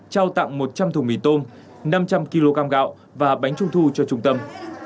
trao tặng một trăm linh thùng mì tôm năm trăm linh kg gạo và bánh trung thu cho trung tâm